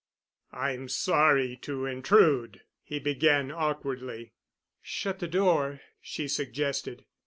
"I'm sorry to intrude," he began awkwardly. "Shut the door," she suggested.